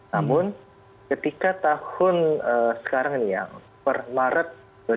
namun ketika tahun sekarang ini ya per maret dua ribu dua puluh